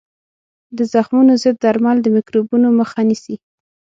د زخمونو ضد درمل د میکروبونو مخه نیسي.